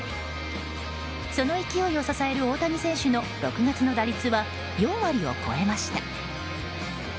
その勢いを支える大谷選手の６月の打率は４割を超えました。